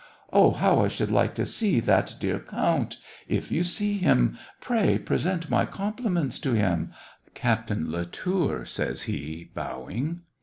Oh, how I should like to see that dear count ! If you see him, pray, present my compliments to him — Captain Latour," says he, bowing.